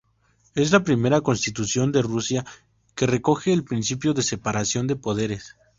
Es la primera Constitución de Rusia que recoge el principio de separación de poderes.